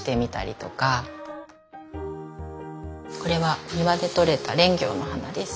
これは庭でとれたレンギョウの花です。